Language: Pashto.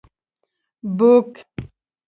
book